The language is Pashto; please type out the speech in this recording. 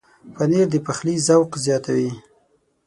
پنېر د پخلي ذوق زیاتوي.